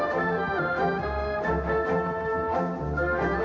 สวัสดีครับ